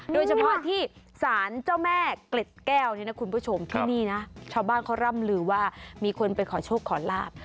โดยเฉพาะที่สารเจ้าแม่เกล็ดแก้วเนี่ยนะคุณผู้ชมที่นี่นะชาวบ้านเขาร่ำลือว่ามีคนไปขอโชคขอลาบ